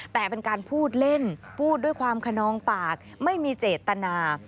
แต่เป็นการพูดเล่นพูดด้วยความขนองปากไม่มีเจตนา